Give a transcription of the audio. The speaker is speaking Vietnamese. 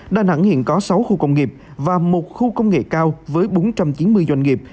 đà nẵng hiện có sáu khu công nghiệp và một khu công nghệ cao với bốn trăm chín mươi doanh nghiệp